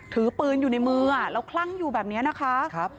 ถือปืนอยู่ในมือแล้วคลั่งอยู่แบบนี้นะคะ